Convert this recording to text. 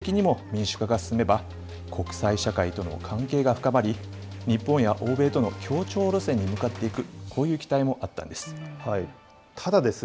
さらに、中国が経済的に発展し、それに伴って政治的にも民主化が進めば、国際社会との関係が深まり、日本や欧米との協調路線に向かっていく、こういう期待もあったんです。